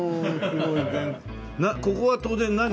ここは当然何？